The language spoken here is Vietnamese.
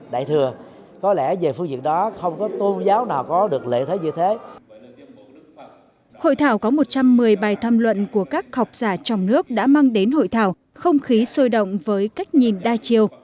hội thảo có một trăm một mươi bài tham luận của các học giả trong nước đã mang đến hội thảo không khí sôi động với cách nhìn đa chiều